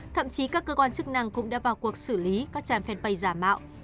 thậm chí các cơ quan chức năng cũng đã vào cuộc xử lý các trang fanpage giả mạo